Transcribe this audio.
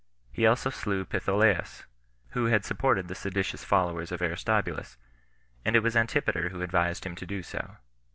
He also slew Pitholaus, who had supported the seditious followers of Aristobulus; and it was Antipater who advised him so to do.